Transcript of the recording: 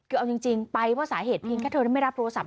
คือเอาจริงไปเพราะสาเหตุเพียงแค่เธอนั้นไม่รับโทรศัพ